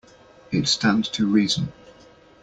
It stands to reason.